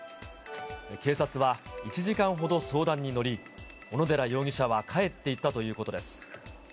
警察は１時間ほど相談に乗り、小野寺容疑者は帰っていったということです。